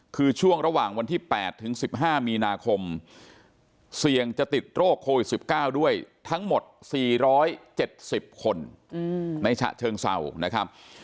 คือช่วงระหว่างวันที่๘ถึง๑๕มีนาคมเสี่ยงจะติดโรคโควิด๑๙ด้วยทั้งหมด๔๗๐คนในฉะเชิงเศร้านะครับ